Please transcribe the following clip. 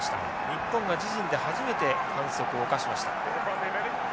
日本が自陣で初めて反則を犯しました。